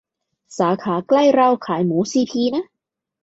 สาขาใกล้เราขายหมูซีพีนะ